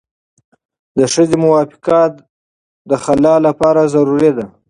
د ښځې موافقه د خلع لپاره ضروري ده.